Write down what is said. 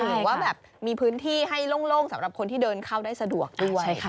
หรือว่าแบบมีพื้นที่ให้โล่งสำหรับคนที่เดินเข้าได้สะดวกด้วย